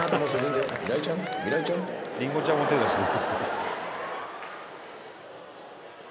りんごちゃんも手出してる。